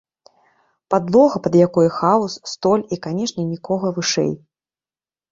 Падлога, пад якой хаос, столь і, канечне, нікога вышэй.